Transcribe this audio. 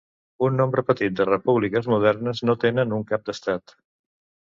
Un nombre petit de repúbliques modernes no tenen un cap d'estat.